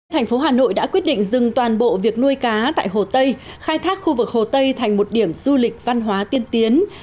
thành phố hà nội đã quyết định dừng toàn bộ việc nuôi cá tại hồ tây khai thác khu vực hồ tây thành một điểm du lịch văn hóa tiên tiến